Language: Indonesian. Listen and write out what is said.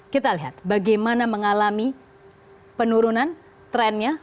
kita lihat bagaimana mengalami penurunan trennya